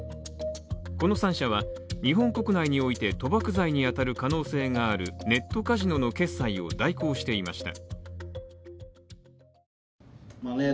この３社は、日本国内において賭博罪に当たる可能性があるネットカジノの決済を代行していました。